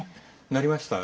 なりました。